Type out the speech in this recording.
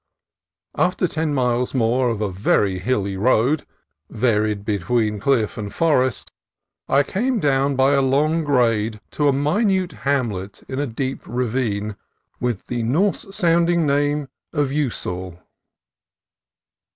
After ten miles more of very hilly road, varied be tween cliff and forest, I came down by a long grade to a minute hamlet in a deep ravine, with the Norse sounding name of Usal.